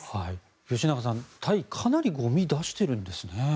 吉永さん、タイかなりゴミを出してるんですね。